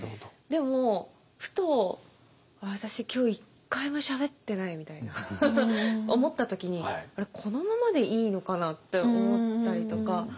でもふと私今日一回もしゃべってないみたいな思った時にあれこのままでいいのかなって思ったりとか。